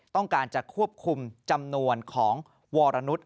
ต้องการจะควบคุมจำนวนของวรนุษย